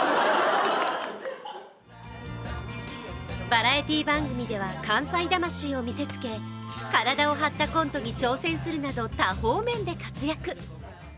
バラエティー番組では関西魂を見せつけ体を張ったコントに挑戦するなど多方面で活躍。